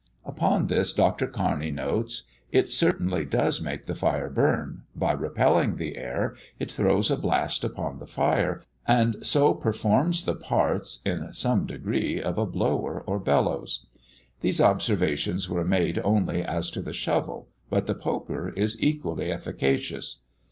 Upon this, Dr. Kearney notes: "it certainly does make the fire burn: by repelling the air, it throws a blast upon the fire, and so performs the parts, in some degree, of a blower or bellows." These observations were made only as to the shovel, but the poker is equally efficacious.